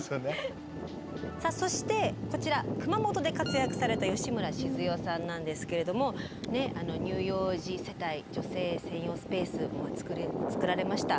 さあそしてこちら熊本で活躍された吉村静代さんなんですけれども乳幼児世帯女性専用スペースを作られました。